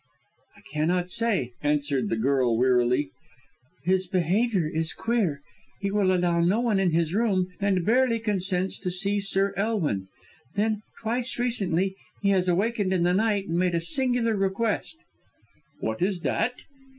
"I cannot say," answered the girl wearily. "His behaviour is queer. He will allow no one in his room, and barely consents to see Sir Elwin. Then, twice recently, he has awakened in the night and made a singular request." "What is that?"